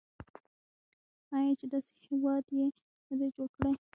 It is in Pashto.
آیا چې داسې هیواد یې نه دی جوړ کړی؟